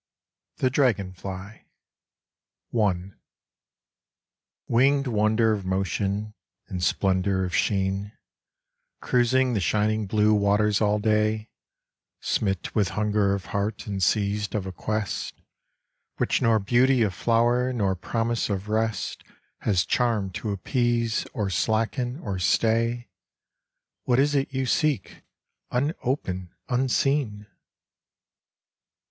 THE DRAGONFLY. I. Winged wonder of motion In splendor of sheen, Cruising the shining blue Waters all day, Smit with hunger of heart And seized of a quest Which nor beauty of flower Nor promise of rest Has charm to appease Or slacken or stay, What is it you seek, Unopen, unseen?